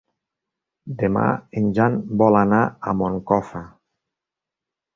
Demà en Jan vol anar a Moncofa.